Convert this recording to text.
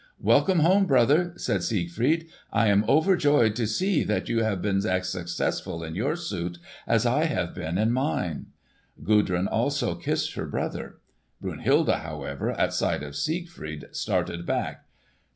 "Welcome home, brother!" said Siegfried. "I am overjoyed to see that you have been as successful in your suit as I have been in mine." Gudrun also had kissed her brother. Brunhilde, however, at sight of Siegfried started back.